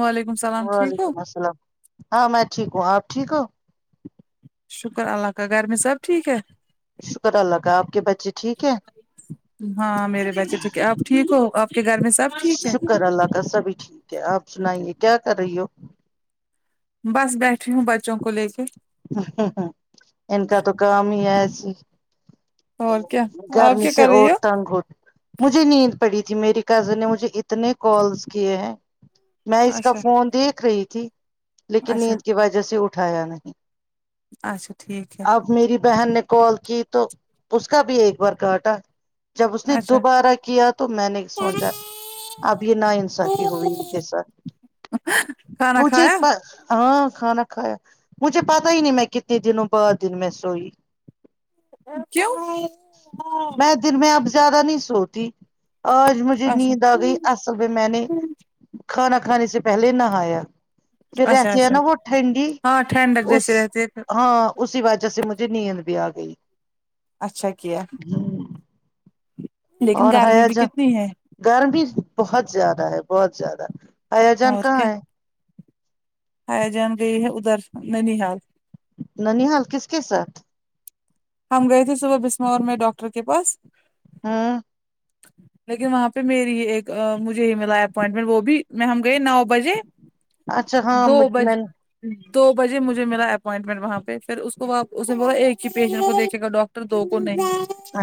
وعلیکم السلام ٹھیک ہو وعلیکم السلام ہاں میں ٹھیک ہوں آپ ٹھیک ہو شکر اللہ کا گھر میں سب ٹھیک ہے شکر اللہ کا آپ کے بچے ٹھیک ہے ہاں میرے بچے ٹھیک ہے آپ ٹھیک ہو آپ کے گھر میں سب ٹھیک ہے شکر اللہ کا سبھی ٹھیک کیا آپ سنائیے کیا کر رہی ہو بس بیٹھی ہوں بچوں کو لے کے ان کا تو کام ہی آیسی اور کیا آپ گرمی کیا سے کر اور رہی ہو تنگ ہوت مجھے نیند پڑی تھی میری کزن نے مجھے اتنے کالس کیے ہیں میں اس کا اچھا فون دیکھ رہی تھی لیکن اچھا نیند کی وجہ سے اٹھایا نہیں اچھا ٹھیک ہے اب میری بہن نے کال کی تو اس کا بھی ایک بار کاٹا جب اس نے اچھا دوبارہ کیا تو میں نے سوچا اب یے نا انصافی ہوئی ان کے ساتھ کھانا مجھے کھایا پر ہاں کھانا کھایا جے پتہ ہی نہیں میں کتنے دنوں بعد دن میں سوئی کیوں میں دن میں اب زیادہ نہیں سوتی آج مجھے اچھا نیند آ گئی اصل میں میں نے کھانا کھانے سے پہلے نہایا پھر اچھا رہتی ہے اچھا نا وہ ٹھنڈی ہاں ٹھنڈ اس ہاں اسی وجہ سے مجھے نیند بھی آ گئی اچھا کیا لیکن اور گرمی ہیا بھی جا کتنی ہے گرمی بہت زیادہ ہے بہت زیادہ آیا جان کہاں ہے آیا جان گیی ہیں ادھر ننیحال ننیحال کس کے ساتھ ہم گئے تھے صبح بسمور میں ڈاکٹر کے پاس ہمم لیکن وہاں پے میری ایک مجھے ہی ملا اپوائنٹمنٹ وہ بھی میں ہم گئے نو بجے اچھا ہاں دو میں بج دو بجے مجھے ملا اپوائنٹمنٹ وہاں پے پھر اس کو بپ اس نے بولا ایک ہی پیشنٹ کو دیکھے گا ڈاک ٹر دو کونہی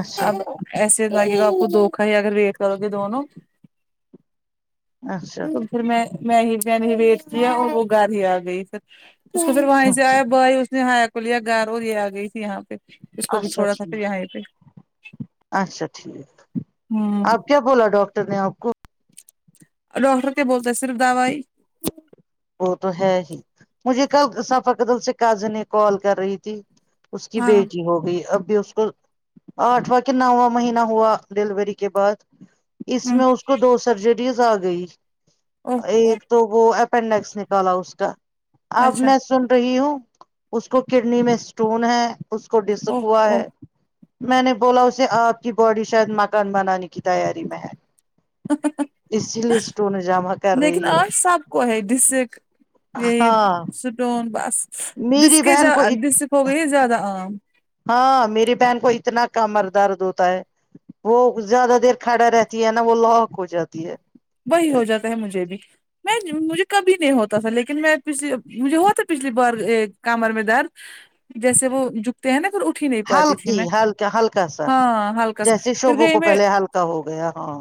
اچھا اب ایسے لگے گا آپ کو دکھا ہی اگر ویٹ کرو گے دونوں اچھا تو پھر میں میں ہی میں نے ویٹ کیا وہ گھا دی آ گئی پھر اس کو پھر وہیں سے آیا اچھا بائی اس نے ہایا کو لیا گار وہ یہ آ گئی تھی یہاں پہ اس کو بھی اچھا چھوڑا تھا پھر ٹھیک یہیں پہ اچھا ٹھیک ہوں آپ کیا بولا ڈاکر نے آپ کو ڈاکٹر کیا بولتے ہیں صرف دوائی وہ تو ہے ہی مجھے کل سفا قدل سے کجن کال کر رہی تھی اس کی ہاں بیٹی ہوگئی اب بھی اس کو آٹھواں کے نوواں مہینہ ہوا ڈیلیوری کے بعد اس میں اس کو دو سرجریز آ گئی او او ایک تو وہ پینڈس نکالا اس کا اب اچھا میں سن رہی ہوں اس کو کڈنی میں اسٹون ہے اس کو او ڈسکا او ہے میں نے بولا اسے آپ کی باڈی شاید مکان بنانے کی تیاری میں ہے اسی لیے اسٹون جمع کر لیکن رہی ہو آج سب کو ڈسک یہ ہاں سٹون بس ڈس میری کے بہن کو ڈسک ہو گئی زیادہ آم ہاں میری بہن کو اتنا کمر درد ہوتا ہے وہ زیادہ دیر کھڑی رہتی ہے نا وہ لوک ہو جاتی ہے وہی ہو جاتا ہے مجھے بھی میں مجھے کبھی نہیں ہوتا تھا لیکن میں پچھ مجھے ہوتا پچھلی بار ایک کمر میں درد جیسے وہ جھکتے ہیں نا پھر اٹھ ہی نہیں [inaudible] پاتی تھی ہلکی میں ہلکا ہلکا سا ہاں ہلکا سا جیسے پھر شوبوں گئی کو میں پہلے ہلکا کاا ہو گیا ہاں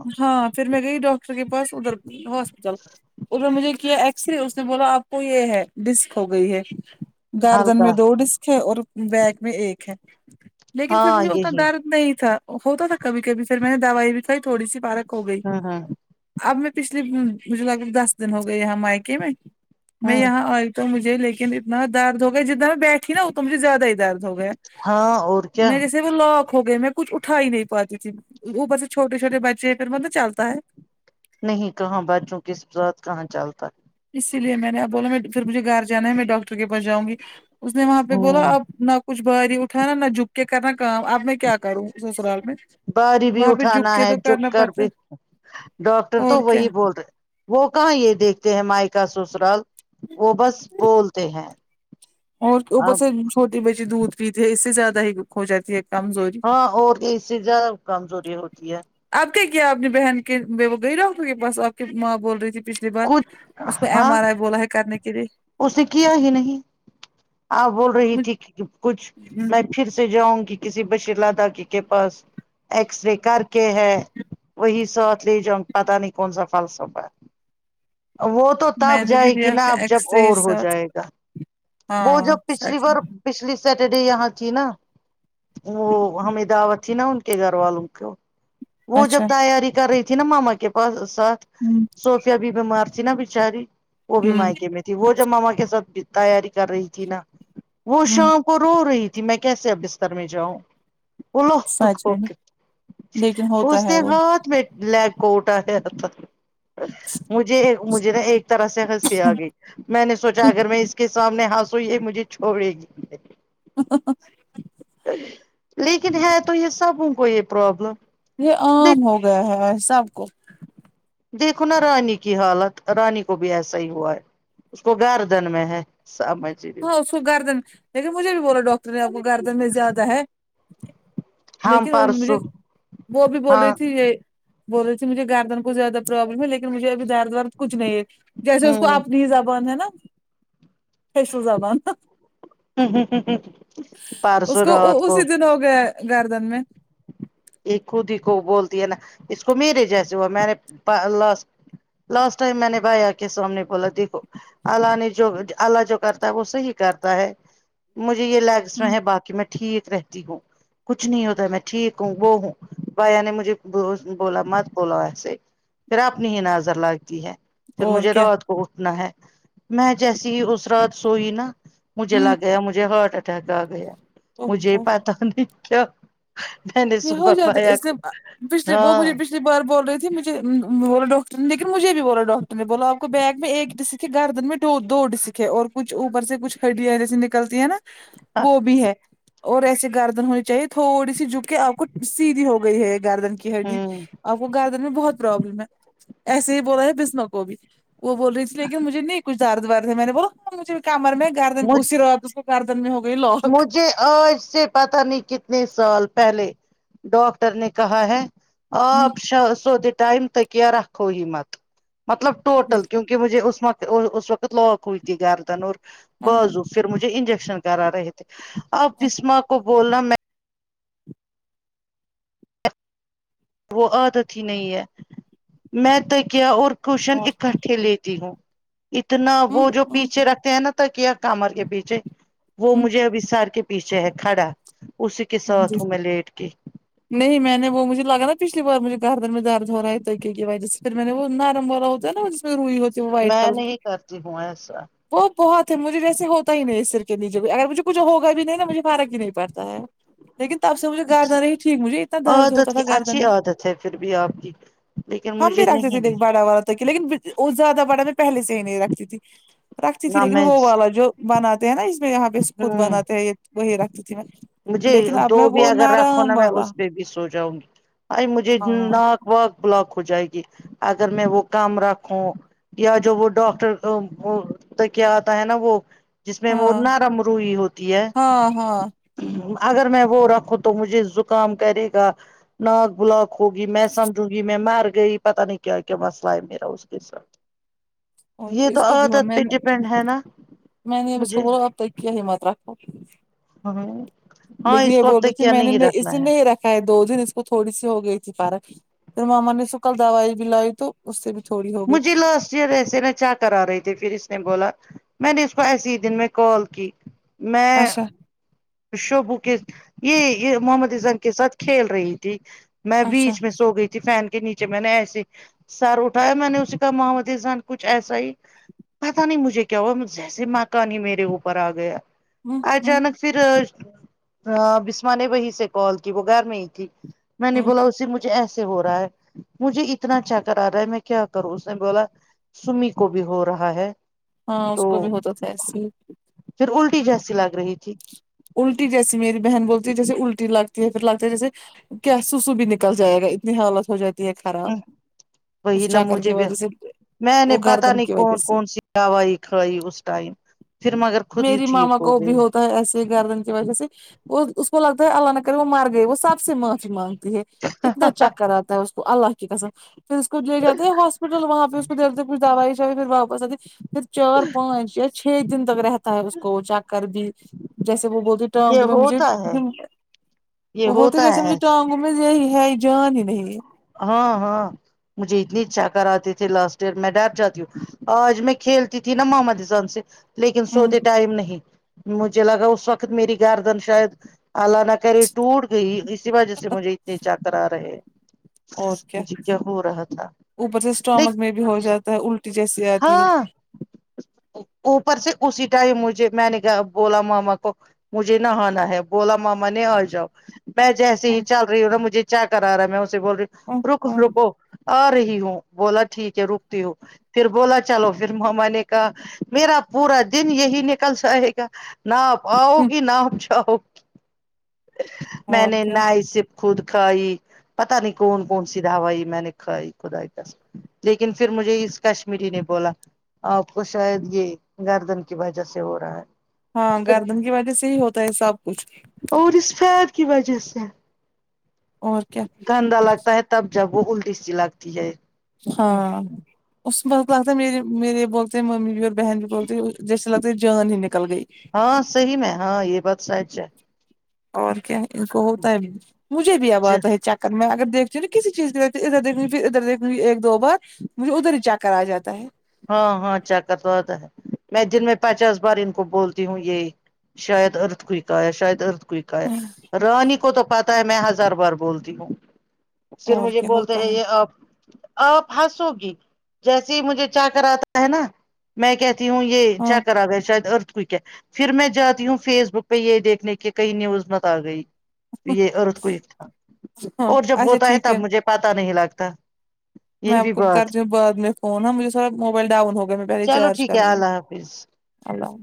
پھر میں گئی ڈاکٹر کے پاس ادھر ہاسپٹل اھر مجھے کیا ایکس رے اس نے بولا آپ کو یہ ہے ڈسک ہو گئی ہے گاردن ہلکا میں دو ڈسک ہے اور بیک میں ایک ہے لیکن پھر ہاں مجھے اتنا یہی ڈرد نہیں تھا ہوتا تھا کبھی کبھی پھر میں نے دوائی بھی کھائی تھوڑی سی پارک ہو گئی ہاں ہاں اب میں پچھلے مجھے لگ دس دن ہو گئے یہاں مائکے میں میں ہوں یہاں ائی تو مجھ لیکن اتنا درد ہوگیا جتنا میں بیٹھی نا ات مجے زیادہ ہی درد ہو گیا ہاں اور کیا میرے ج وہ لاک ہو گئے میں کچھ اٹا ہی نہیں پاتی تھی اوپر سے چھوٹے چھٹے بچے ہیں پھر مطلب چلتا ہے نہیں کہاں بچوں کے ساتھ کہاں چلتا ہے اسی لیے میں نے آ بولا میں پھر مجھے گھر جانا ہے میں ڈاکٹر کے پہنچاؤں گی اس نے وہاں پہ بولا ہوں اپ نہ کچھ باری اٹھانا نہ جھک کے کرنا کام اب میں کیا کروں سسرال میں باری بھی وہاں پہ جھک اٹھانا کے ہے تو جو کرنا گھر پڑتا بھی ہے ڈاکٹر تو اور کیا وہی بول رہے وہ کہاں یہ دیکھتے ہیں مائیکا سسرال وہ بس بولتے ہیں اور اب اوپر سے چھوٹی بچی دودھ پیتے ہے اس سے زیادہ ہی ہو جاتی ہے کمزوری ہاں اور اس سے زیادہ کمزوری ہوتی ہے اب کے کیا اپنی بہن کے وہ گئی ڈاکر کے پس آپ کی ماں بول رہی تھی پچھلی پچھلی بار کچھ اس کو ایم ہاں آر آئی بولا ہے کرنے کے لیے اس نے کیا ہی نہیں آپ بول رہی تھی کہ کچھ پھر سے جاؤں گی کسی بشیر لڈاکی کے پاس ایکس رے کر کے ہے وہی سونتلی پتا نہیں کون سا فل سفا ہے وہ تو میں تب نے بھی جائے گی لیا نا تھا اب جب ایکس رے اور ہو ساتھ جائے گا وہ ہاں جب پچھلی سچ بار میں پچھلی سیٹرڈے یہاں تھی نا وہ ہمیں دعوت تھی نا ان گھر والوں کو وہ جب اچھا تیاری کر رہی تھی نا ماما کے پاس ساتھ ہوں سو تب ہی بیمار تھی نہ بیچاری وہ بھی ہوں مائکے میں ت وہ جب ماما کے ساتھ تیاری کر رہی تھی نا وہ ہوں شام کو رو رہی تھی میں کیسے اب بستر میں جاؤں سچ میں لیکن [unintelligible] ہوتا اس ہے نے وہ ہاتھ میں بلیک کوٹ آ یا تھا مجھے مجھے نا ایک طرح سے ہنسی آگئی میں نے سوچا اگر میں اس کے سامنے ہاسو یہ مجھے چھوڑے گی ہ ہ ہ لیکن ہے تو یہ سب ان کو یہ پروبلم یہ عام ہو گیا ہے سب کو دیکھو نا رانی کی حالت رانی کو بھی ایسا ہی ہوا ہے اس کو گردن میں ہے سامے ہاں اس کو گردن لیکن مجھے بھی بولا ڈاکٹر نے آپ کو گردن میں زیادہ ہے ہم لیکن مجھے پرسوں وه بھی بول رہی ہاں تھی یہ بول رہی تھی مجھے گاردن کو زیادہ پروبلم ہے لیکن مجھےبھی دارد وارد کچھ نہیں ہے جیسے اس کو ہوں اپنی ہی زبان ہے نا [unintelligible] زبان پارسو اس رات کو [unintelligible] ہو گیے گردن میں ایک خود ہی کو بولتی ہے نا اس کو میرے جیسے ہو میں نےاللہ لاسٹ ٹائم میں نے بھائی کے سا منے بولا دیکھو اللہ نے جو اللہ جو کرتا ہے وہ صحیح کرتا ہے مجھے یہ لیگس میں ہوں ہے باقی میں ٹھیک رہتی ہوں کچھ نہیں ہوتا ہے میں ٹھیک وہ ہوں بھیا نے مجھے بولا مت بولو ایسے پھر آپنی ہی نظر لگتی ہے پھر اور مجھے کیا رات کو اٹھنا ہے میں جیسی ہی اس رات سوئی نا مجھے ہوں لگ گیا مجھے ہارٹ اٹیک آ گیا مجھے پتہ نہیں کیا میں نے یہ ہو صبح جاتا پایا اس لئے پچھلے وہ ہاں مجھے پچھ کئی بار بول رہی تھی مجھے بولا ڈاکٹر نے لیکن مجھے بھی بولا ڈاکٹر نے بولا آپ کو بیگ میں ایک کسی کے گردن میں ڈ و دو ڈ سک ھے اور کچھ اوپر سے کچھ ہڈیا ں جیسی نکلتی ہیں نا وہ بھی ہے اور ایسے گردن ہونی چاہیے تھوڑی سی جھک کہ آپ کو سیدھی ہو گئی ہے گاردن کی ہڈی ہوں آپ کو گاردن میں بہت پروبلم ہے ایسے ہی بولا تھا بسمہ کو بھی وہ بول رہی تھی لیکن مجھے نہیں کچھ درد ورد ہے میں نے بو لا مجھے بھی کمر میں گاردن اسی رات اس کے گاردن میں ہو گئی لو مجھے آج سے پتہ نہیں کتنے سال پہلے ڈاکٹر نے کہا ہے آپ شا سوتے ٹائم تکیہ رکھو ہی مت مطلب ٹوٹل دیکھو کیونکہ مجھے اس مقت اس وقت لاک ہوئی تھی گردن اور با زو پھر مجھے انجیکشن کرا رہے تھے آپ بسما کو بولنا میں وہ عادت ہی نہیں ہے میں تکیہ اور کوشن اور اکٹھے لیتی ہوں اتنا وہ جو پیچھے رکھتے ہیں نا تکیہ کامر کے پیچھے وہ مجھے ابھی سار کے پیچھے ہے کھڑا اسی کے ساتھ ہوں میں لیٹ کے نہیں میں نے وہ مجھے لگا نا پچھلی بار مجھے گردن میں درد ہو رہا ہے تکیہ کی وجہ سے پھر میں نے وہ نرم والا ہوتا ہے نا جس میں روئی ہوتی تو وائٹ میں کلر کہ نہیں کرتی ہوں ایسا وہ بہت ہے مجھے ویسے ہوتا ہی نہیں ہے سر کے نیچے بھی اگر مجھے کچھ ہوگا بھی نہیں نہ مجھے فرق ہی نہیں پڑتا ہے لیکن تب سے مجھے گاردن ہی مجھے اتنا درد ہوتا عادت کی تھا گردن اچھی میں عادت ہے پھر بھی آپ کی لیکن ہم بھی مجھے رکھتے تھے نہیں ہے دیکھ بال بڑا والا تکیہ لیکن وہ زیادہ بڑا میں پہلے سے ہی نہیں رکھتی تھی رکھتی تھی نہ لیکن میں وہ والا جو بنات تے ہیں اس میں یہاں پے خود ہوں بناتےہیں وہی رکھتی تھی میں مجھے لیکن اب میں دو بھی وہ اگر رکھو نا نرم وا اس میں بھی سو جاؤں گی آ مجھے ہاں نہ واک بلاک ہو جائے گی اگر میں وہ کام رکھوں یا جو وہ ڈاکٹر کیا آتا ہے نا وہ جس میں وہ ہاں نارم روئی ہوتی ہے ہاں ہاں اگر میں وہ رکھوں تو مجھے زکام کرے گا نااک بلاک ہوگی میں سمجوں گی میں مر گئی پتا نہیں کیا کیا مسئلہ ہے میرا اس کے ساتھ یے اوکے تو اس کو بھی ہوا عادت میں پے نے ڈپینڈ ہے نا مجھے کہ ہمت رکھو ہاں لیکن اس یے کو اب بول رہی تک تھی کیا میں نہیں نے رکھنا اسی میں رکھ ہے دو دن اس کو تھوڑی سی ہو گئی تھی فرق پھر ماما نے سو کل دوائی بھی لائی تو اس سے بھی تھوڑی ہو گئی مجھے لاس چیرےز ایسے نچا کر آ رہے تھے پھر اس نے بولا میں نے اس کو ایسے ہی دن میں کال کی میں اچھا شبو کے یے یے محمد ایزان کے ساتھ کھیل رہی تھی میں اچھا بیچ میں سو گئی تھی فین کے نیچے میں نے ایسے سر اٹایا میں نے اس کا محمد ایزان کچھ ایسا ہی پتہ نہیں مجھے کیا ہوا جیسے مکانی میرے اوپر آ گیا ہوں ہوں اچانک پھر بسما نے وہی سے کال کی وہ گھر میں ہی تھی میں نے ہوں بولا اس سے مجھے ایسے ہو رہا ہے مجھے اتنا چکرر آ رہا ہے میں کیا کروں اس نے بولا سمی کو بھی ہو رہا ہے ہاں اس تو کو بھی ہوتا تھا ایسے ہی پھر الٹی جیسی لگ رہی تھی الٹی جیسی میری بہن بولتی ہے جیسے الٹی لگتی ہے پھر لگتا ہے جیسے کیا سوسو بھی نکل جائے گا اتنی حالت ہو جائے یے خراب وہی اس نہ چاکر کی مجھے بھی وجہ سے ‌وہ گردن کی وجہ سے داوائی کھائی اس ٹائم پھر مگر خود ہی میری ٹھیک ماما کو بھی گئی ہو تا ایسے گردن کی وجہ سے وہ اس کو لگتا ہے اللہ نہ کرے وہ مر گئے وہ سب سے معافی مانگتی ہے اتنا چکر آتا ہے اس کو اللہ کی قسم پھر اس کو لے جے ہیں ہاسپٹل وہاں پہ اس کو دیرتے کچ دوائی شائی پھر واپس آتی پھر چار پانچ یا چھ دن تک رہتا ہے اس کو چکر بھی جیسے وہ بولتے یہ ٹانگ ہوا مجھے ہوتا ہے یہ وہ بولتے ہوتا جیسے ہے مجھے ایسے ٹانگ میں یہی ہے ہی جان ہی نہیں ہیں ہاں ہاں مجھے اتنی چا کر آتے تھے لاسٹ ایئر میں ڈر جاتی ہوں آج میں کھیلتی تھی نا محمد اسسان سے لیکن ہوں سوتے ٹائم نہیں مجھے لگا اس وقت میری گاردن شاید اللہ نا کرے ٹوٹ گئی اسی وجہ سے مجھے اتنے چکر آرہے اور کیا تھا اوپر سے اسٹامک لیکن میں بھی ہو جاتا ہے الٹی جیسی آتی ہے ہاں اوپر سے اسی ٹائم مجھے میں نے کا بولا ماما کو مجھے نہانا ہے بولا ماما نے آ جاؤ میں جیسے ہی چل رہی ہوں نا مجھے چکر آ رہا ہے میں اسے بول رہی ہوں رکو رکو آ رہی ہوں بولا ٹھیک ہے رکتی ہو پھر بولا چلوپھر ماما نے کہا میرا پورا دن یہی نکل جاۓ گا نا آپ آؤ گی نا آپ جاؤ گی ہوں میں اور نے کیا نہ ہی سے خود کھائی پتا نہیں کون کون سی داوائی میں نے کھائی خدا کی کسم لیکن پھر مجھے اس کشمیری نے بولا آپ کو شاید یہ گردن کی وجہ سے ہو رہا ہے ہاں گردن کی وجہ سے ہی ہوتا ہے سب کچھ اور اس فر کی وجہ سے اور کیا گندا لگتا ہے تب جب وہ الٹی سی لگتی ہے ہاں اس بقت لگتا ہے مے میرے یہ بولتے ہیں ممی بھی اور بہن بھی بولتے جیسے لگتے ہے جان ہی نکل گئی ہاں صحیح میں ہاں یہ بات سچ ہے اور کیا ان کو ہوتا ہے مجھے بھی اب آتا ہے چ میں اگر دیکتیوں نا کسی چیز کی دیک ادھر دھ گی پھر ادھر دیکھ گی ایک دو بار مجھے ادھر ہی جا کر آ جاتا ہے ہاں ہاںچا کر توتا ہے میں دن میں پچاس بار ان کو بولتی ہوں یہی شاید ارتھ کوئک آیا شاید ارت کئک رانی کو تو پتا ہے میں ہزار بار بولتی ہوں پھر اور مجھے کیا بولتے ہوتا ہیں ہے یہ آپ آپ ہنسو گی جیسے ہی مجھے چاہ کراتا ہے نا میں کہتی ہوں یہ ہاں چکر اگیا شاہد ارتھ کوئک پھر میں جاتی ہوں فیس بک پہ یہ دیکھنے کی کئی نیوز مت آ گئی یہ اورت کوئی تھا ہاں اور جب اچھا ہوتا ہے ٹھیک تب مجھے پتا نہیں لگتا میں یہ آپ بھی کو بات کرتی ہوں بعد میں فون مجھے سرا موبائل ڈاؤن ہو گیا میں پہلے چلو چارج ٹھیک کروں ہے گی اللہ حافظ اللہ